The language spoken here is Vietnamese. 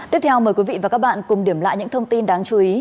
tiếp theo mời quý vị và các bạn cùng điểm lại những thông tin đáng chú ý